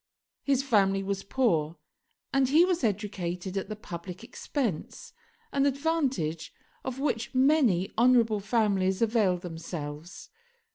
His family was poor, and he was educated at the public expense, an advantage of which many honourable families availed themselves.